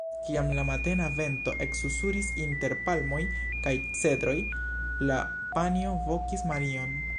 Kiam la matena vento eksusuris inter palmoj kaj cedroj, la panjo vokis Marion.